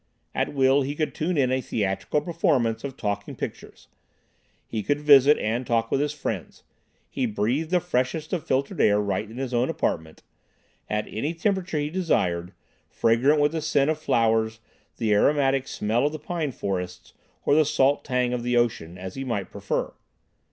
At will he could tune in a theatrical performance of talking pictures. He could visit and talk with his friends. He breathed the freshest of filtered air right in his own apartment, at any temperature he desired, fragrant with the scent of flowers, the aromatic smell of the pine forests or the salt tang of the sea, as he might prefer.